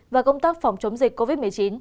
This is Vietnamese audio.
và công tác phòng chống dịch covid một mươi chín